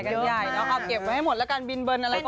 ก็เก็บไว้ให้หมดละกันบินเบิ้ลอะไรก็ไว้